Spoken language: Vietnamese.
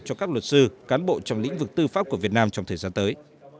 cho các luật sư cán bộ trong lĩnh vực tư pháp của việt nam trong thời gian tới